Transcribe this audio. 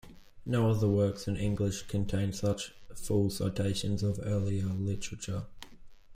No other works in English contain such full citations of earlier literature.